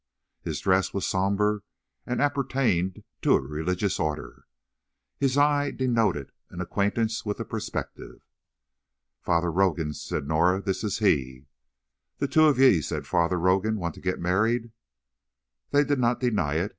His dress was sombre and appertained to a religious order. His eye denoted an acquaintance with the perspective. "Father Rogan," said Norah, "this is he." "The two of ye," said Father Rogan, "want to get married?" They did not deny it.